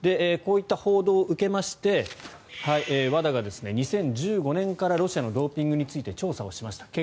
こういった報道を受けましてＷＡＤＡが２０１５年からロシアのドーピングについて調査しました。